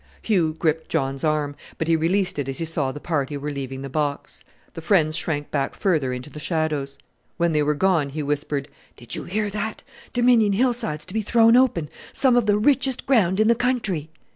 Hugh gripped John's arm, but he released it as he saw the party were leaving the box. The friends shrank back further into the shadows. When they were gone he whispered, "Did you hear that? Dominion hillsides to be thrown open! Some of the richest ground in the country."